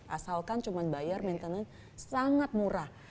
asalkan cuma bayar maintenance sangat murah